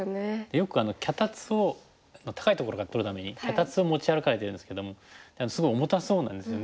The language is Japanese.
よく脚立を高いところから撮るために脚立を持ち歩かれてるんですけどもすごい重たそうなんですよね。